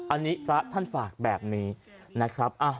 อันนี้พระท่านฝากแบบนี้นะครับ